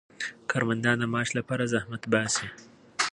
کارمندان د معاش لپاره زحمت باسي.